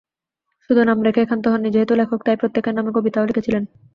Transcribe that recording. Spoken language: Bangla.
শুধু নাম রেখেই ক্ষান্ত হননি, যেহেতু লেখক তাই প্রত্যকের নামে কবিতাও লিখেছিলেন।